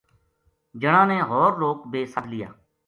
جنا نے ہو ر لوک بے سَد لیا